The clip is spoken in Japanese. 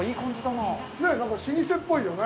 なんか老舗っぽいよね。